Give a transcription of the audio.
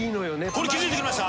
これ気付いてくれました？